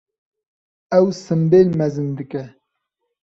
Ew simbêl mezin dike.